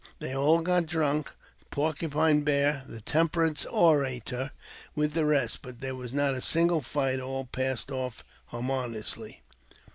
They all got drunk, Porcupine Bear, the temperance orator, with the rest ; but there was not a single fight ; all passed off harmoniously.